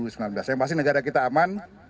saya memastikan negara kita aman